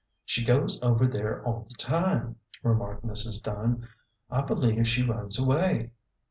" She goes over there all the time," remarked Mrs. Dunn. " I b'lieve she runs away.